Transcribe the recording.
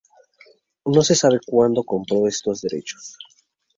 No se sabe cuándo compró estos derechos.